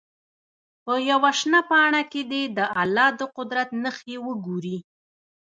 په یوه شنه پاڼه کې دې د الله د قدرت نښې وګوري.